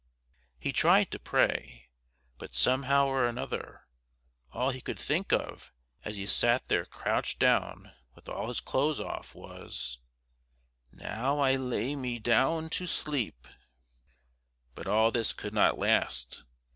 He tried to pray, but somehow or another, all he could think of as he sat there crouched down with all his clothes off was: "Now I lay me down to sleep." But all this could not last.